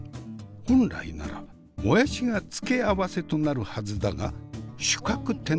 本来ならもやしが付け合わせとなるはずだが主客転倒！